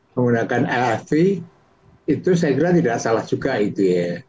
menggunakan lrv itu saya kira tidak salah juga itu ya